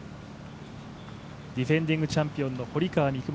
ディフェンディングチャンピオンの堀川未来